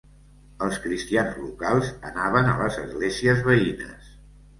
Els cristians locals anaven a les esglésies veïnes.